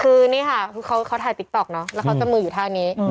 คือนี่ค่ะคือเขาถ่ายติ๊กต๊อกเนาะแล้วเขาจับมืออยู่ท่านี้